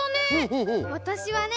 わたしはね